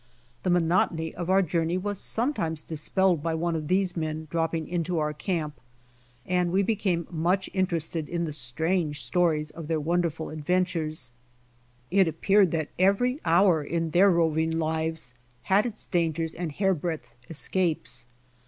The monotony of our journey was sometimes 108 BY OX TEAM TO CALIFORNIA dispelled by one of these men dropping into our camp, and we became much interested in the strange stories of their wonderful adventures. It appeared that every hour in their roving lives had its dangers and hair breadth escapes.